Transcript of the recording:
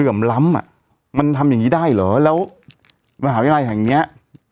ล้ำอ่ะมันทำอย่างงี้ได้เหรอแล้วมหาวิทยาลัยแห่งเนี้ย